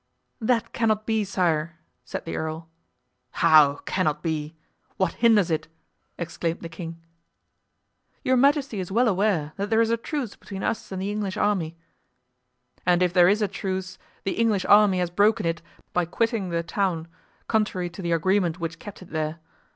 "That cannot be, sire," said the earl. "How, cannot be? What hinders it?" exclaimed the king. "Your majesty is well aware that there is a truce between us and the English army." "And if there is a truce the English army has broken it by quitting the town, contrary to the agreement which kept it there.